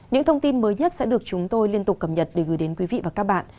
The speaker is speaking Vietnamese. những thông tin mới nhất sẽ được chúng tôi liên tục cập nhật để gửi đến quý vị và các bạn